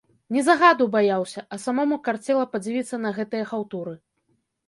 Не загаду баяўся, а самому карцела падзівіцца на гэтыя хаўтуры.